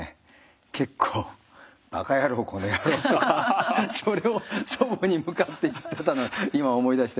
結構「バカヤロー」「コノヤロー」とかそれを祖母に向かって言ってたのを今思い出して。